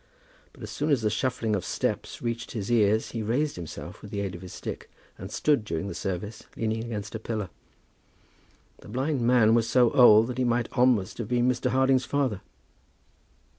But as soon as the shuffling of steps reached his ears, he raised himself with the aid of his stick, and stood during the service leaning against the pillar. The blind man was so old that he might almost have been Mr. Harding's father.